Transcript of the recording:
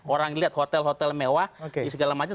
orang yang lihat hotel hotel mewah segala macam